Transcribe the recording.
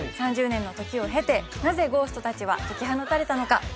３０年の時を経てなぜゴースト達は解き放たれたのか？